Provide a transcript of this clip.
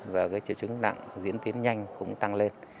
và cái triệu chứng nặng diễn tiến nhanh cũng tăng lên